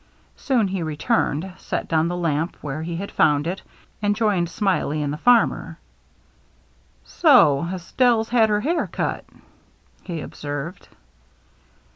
Soon he returned, set down the lamp where he had found it, and joined Smiley and the farmer. "So Estelle's had her hair cut," he observed.